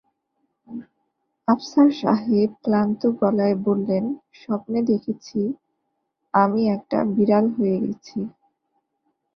আফসার সাহেব ক্লান্ত গলায় বললেন, স্বপ্নে দেখেছি, আমি একটা বিড়াল হয়ে গেছি।